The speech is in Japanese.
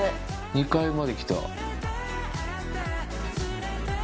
２階まで来た。